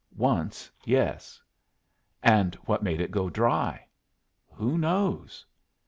"Once, yes." "And what made it go dry?" "Who knows?"